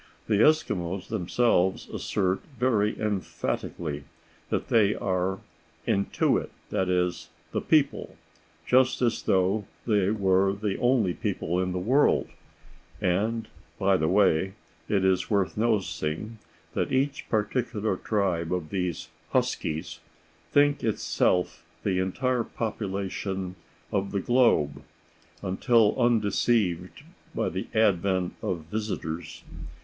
The Eskimos themselves assert very emphatically that they are "Innuit"—that is, "the people"—just as though they were the only people in the world (and, by the way, it is worth noticing that each particular tribe of these "Huskies" thinks itself the entire population of the globe until undeceived by the advent of visitors).